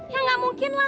ya gak mungkin lah